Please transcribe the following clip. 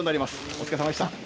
お疲れさまでした。